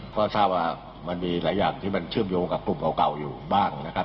ก็ทราบว่ามันมีหลายอย่างที่มันเชื่อมโยงกับกลุ่มเก่าอยู่บ้างนะครับ